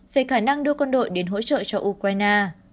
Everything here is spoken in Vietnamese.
về khả năng đưa quân đội đến hỗ trợ cho ukraine